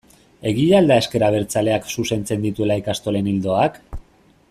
Egia al da ezker abertzaleak zuzentzen dituela ikastolen ildoak?